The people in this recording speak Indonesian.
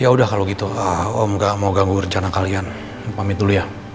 ya udah kalau gitu om gak mau ganggu rencana kalian pamit dulu ya